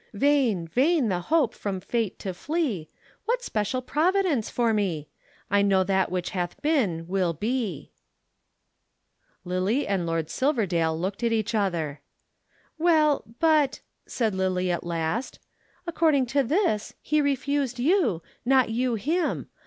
Vain, vain the hope from Fate to flee, What special Providence for me? I know that what hath been will be. [Illustration: The Present and the Future.] Lillie and Silverdale looked at each other. "Well, but," said Lillie at last, "according to this he refused you, not you him.